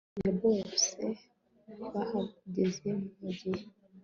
Hafi ya bose bahageze mugihe